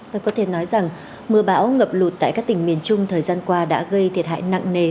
và có thể nói rằng mưa bão ngập lụt tại các tỉnh miền trung thời gian qua đã gây thiệt hại nặng nề